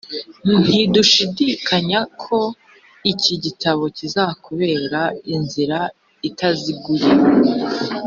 Ntidushidikanya ko iki gitabo kizakubera inzira itaziguye